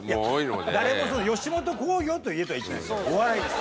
誰も「吉本興業と言え」とは言ってないです。